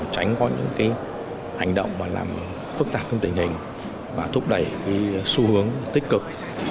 tránh có những hành động làm phức tạp hơn tình hình và thúc đẩy xu hướng tích cực